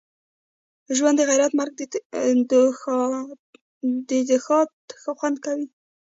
ژوند دغیرت مرګ دښهادت خوند کوی